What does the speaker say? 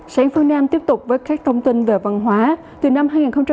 sản phương nam tiếp tục với các thông tin về văn hóa từ năm hai nghìn một mươi bảy